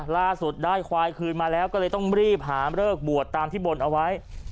ล่าสุดได้ควายคืนมาแล้วก็เลยต้องรีบหาเลิกบวชตามที่บนเอาไว้